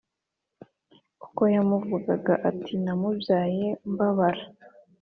kuko yavugaga ati namubyaye mbabara